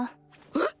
えっ？